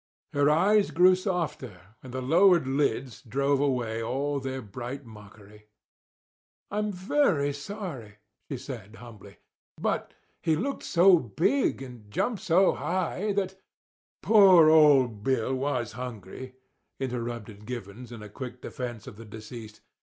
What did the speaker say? Her eyes grew softer, and the lowered lids drove away all their bright mockery. "I'm very sorry," she said humbly; "but he looked so big, and jumped so high that—" "Poor old Bill was hungry," interrupted Givens, in quick defence of the deceased.